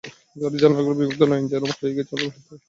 গাড়ির জানালা গলে আমার বিমুগ্ধ নয়ন যেন হারিয়ে গেছে রঙের ধারায়।